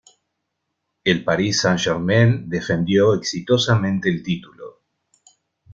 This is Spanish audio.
El París Saint-Germain defendió exitosamente el título.